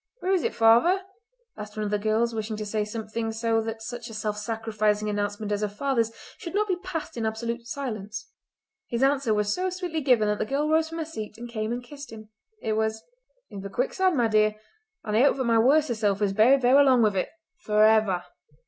"Where is it, father?" asked one of the girls, wishing to say something so that such a self sacrificing announcement as her father's should not be passed in absolute silence. His answer was so sweetly given that the girl rose from her seat and came and kissed him. It was: "In the quicksand, my dear! and I hope that my worser self is buried there along with it—for ever."